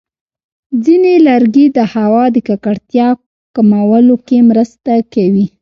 ځینې لرګي د هوا د ککړتیا کمولو کې مرسته کوي.